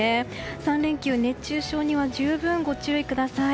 ３連休、熱中症には十分、ご注意ください。